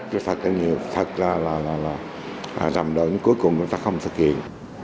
chúng ta càng nhiều thật ra là rằm đổi nhưng cuối cùng chúng ta không thực hiện